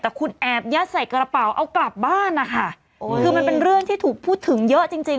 แต่คุณแอบยัดใส่กระเป๋าเอากลับบ้านนะคะโอ้คือมันเป็นเรื่องที่ถูกพูดถึงเยอะจริงจริง